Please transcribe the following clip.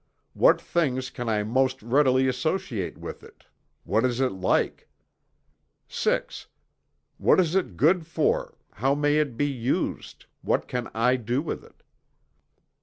What things can I most readily associate with it? What is it like? VI. What is it good for how may it be used what can I do with it?